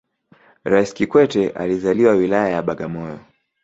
raisi kikwete alizaliwa wilaya ya bagamoyo